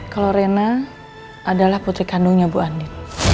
kalau rena adalah putri kandungnya bu andi